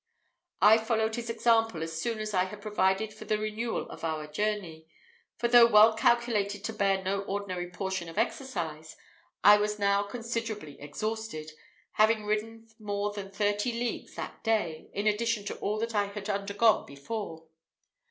I followed his example as soon as I had provided for the renewal of our journey; for, though well calculated to bear no ordinary portion of exercise, I was now considerably exhausted, having ridden more than thirty leagues that day, in addition to all that I had undergone before.